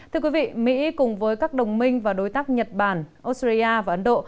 thưa quý vị mỹ cùng với các đồng minh và đối tác nhật bản australia và ấn độ